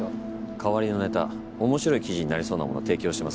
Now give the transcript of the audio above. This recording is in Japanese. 代わりのネタ面白い記事になりそうなもの提供します。